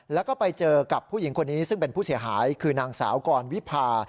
แล้วก็ไปเจอกับผู้หญิงคนนี้ซึ่งเป็นผู้เสียหายคือนางสาวกรวิพา